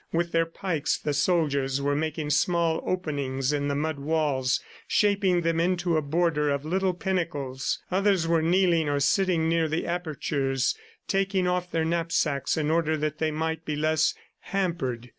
With their pikes the soldiers were making small openings in the mud walls, shaping them into a border of little pinnacles. Others were kneeling or sitting near the apertures, taking off their knapsacks in order that they might be less hampered.